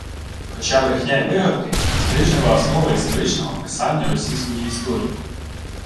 Хоча брехня й вигадки – стрижнева основа історичного «писання» російської історії